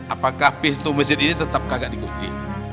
apakah pisto masjid ini tetap kagak dikunci